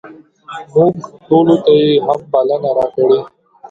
موږ ټولو ته یې هم بلنه راکړه.